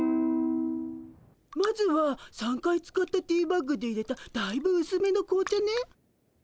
まずは３回使ったティーバッグでいれただいぶうすめの紅茶ね。